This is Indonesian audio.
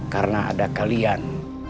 karena ada kalian